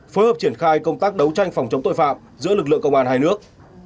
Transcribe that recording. phối hợp triển khai công tác đấu tranh phòng chống tội phạm giữa lực lượng công an hai nước